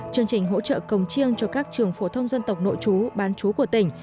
chương trình hỗ trợ cồng chiêng cho các trường phổ thông dân tộc nội chú bán chú của tỉnh